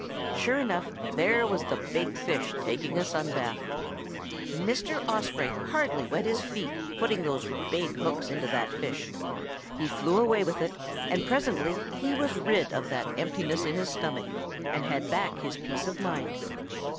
Sure enough, there was the big fish taking a sun bath. Mr. Osprey hardly wet his feet putting those big hooks into that fish. He flew away with it, and presently he was rid of that emptiness in his stomach and had back his peace of mind.